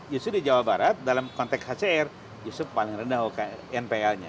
justru di jawa barat dalam konteks hcr justru paling rendah npl nya